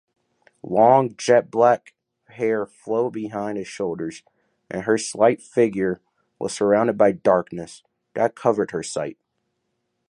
Long jet-black hair flowed behind the shoulders, and her slight figure was surrounded by darkness, that covered her sight.